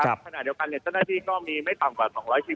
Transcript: ขณะเดียวกันเนื้อคุณเจ้าหน้าที่ก้มมีไม่ต่ำกว่า๒๐๐คะ